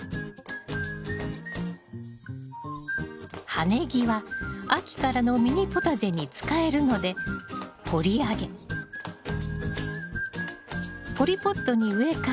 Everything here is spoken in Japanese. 葉ネギは秋からのミニポタジェに使えるので掘り上げポリポットに植え替え